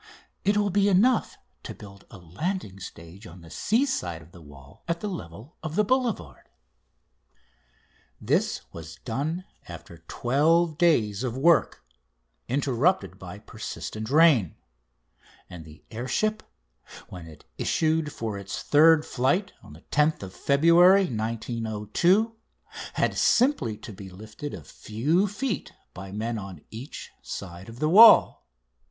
"It will be enough to build a landing stage on the sea side of the wall at the level of the boulevard." This was done after twelve days of work, interrupted by persistent rain, and the air ship, when it issued for its third flight, 10th February 1902, had simply to be lifted a few feet by men on each side of the wall.